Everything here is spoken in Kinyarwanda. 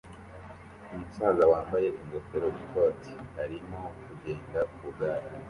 Umusaza wambaye ingofero n'ikoti arimo kugenda ku igare